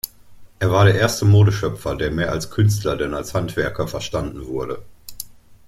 Er war der erste Modeschöpfer, der mehr als Künstler denn als Handwerker verstanden wurde.